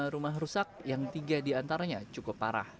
tiga puluh lima rumah rusak yang tiga di antaranya cukup parah